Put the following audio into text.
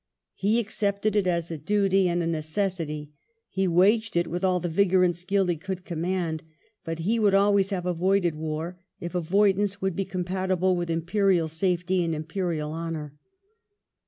He accepted it as a duty and a 48 WELLINGTON necessity : he waged it with all the vigour and skill he could command ; but he would always have avoided war, if avoidance would be compatible with imperial safety and imperial honour.